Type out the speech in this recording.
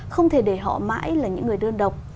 không thể để họ mãi là những người đơn độc